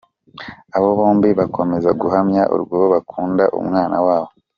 Aba bombi bakomeza guhamya urwo bakunda umwana wabo.